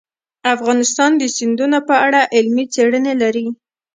افغانستان د سیندونه په اړه علمي څېړنې لري.